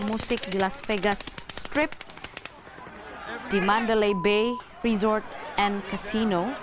musik di las vegas strip di mandalay bay resort and kesino